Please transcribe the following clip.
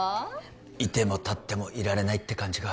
いてもたってもいられないって感じか